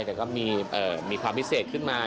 แต่ก็มีความพิเศษขึ้นมา